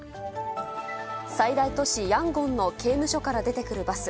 最大都市ヤンゴンの刑務所から出てくるバス。